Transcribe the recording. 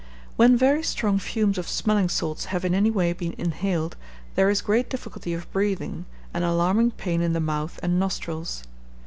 When very strong fumes of smelling salts have in any way been inhaled, there is great difficulty of breathing, and alarming pain in the mouth and nostrils.